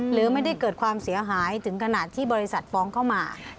หรือไม่ได้เกิดความเสียหายถึงขนาดที่บริษัทฟ้องเข้ามา